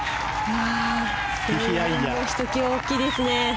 声援もひときわ大きいですね。